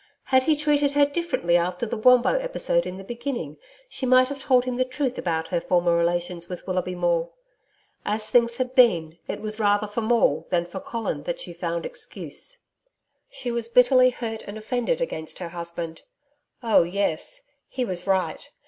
Had he treated her differently after the Wombo episode in the beginning, she might have told him the truth about her former relations with Willoughby Maule. As things had been, it was rather for Maule than for Colin that she found excuse. She was bitterly hurt and offended against her husband. Oh, yes. He was right.